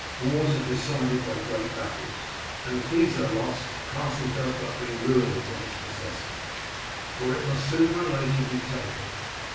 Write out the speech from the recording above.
Wars are decided by great battles, and if these are lost a castle does but bring ruin upon its possessor, for it must sooner or later be taken.